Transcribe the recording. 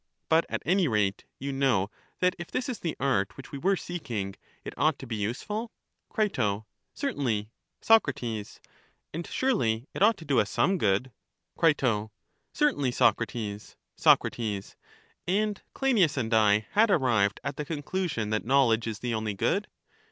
But at any rate you know that if this is the art which we were seeking, it ought to be useful? Cri. Certainly. Soc, And surely it ought to do us some good? Cri. Certainly, Socrates. Soc. And Cleinias and I had arrived at the con clusion that knowledge is the only good?